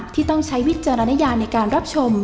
ต้องใช้วิจารณญาในการรับชม